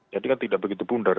jadi kan tidak begitu bundar